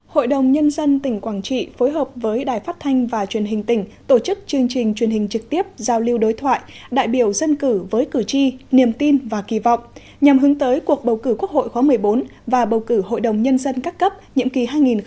hội đồng nhân dân tỉnh quảng trị phối hợp với đài phát thanh và truyền hình tỉnh tổ chức chương trình truyền hình trực tiếp giao lưu đối thoại đại biểu dân cử với cử tri niềm tin và kỳ vọng nhằm hướng tới cuộc bầu cử quốc hội khóa một mươi bốn và bầu cử hội đồng nhân dân các cấp nhiệm kỳ hai nghìn một mươi sáu hai nghìn hai mươi sáu